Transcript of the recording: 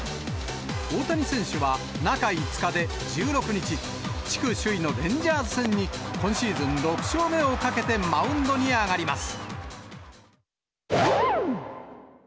大谷選手は中５日で１６日、地区首位のレンジャーズ戦に、今シーズン６勝目をかけてマウンドに上がります。